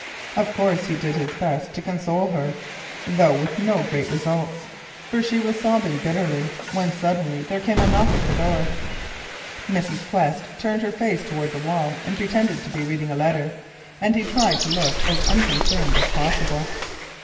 Of course he did his best to console her, though with no great results, for she was still sobbing bitterly when suddenly there came a knock at the door. Mrs. Quest turned her face towards the wall and pretended to be reading a letter, and he tried to look as unconcerned as possible.